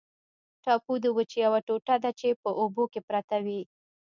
ټاپو د وچې یوه ټوټه ده چې په اوبو کې پرته وي.